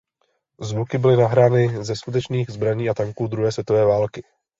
Zvuky byly nahrány ze skutečných zbraní a tanků druhé světové války.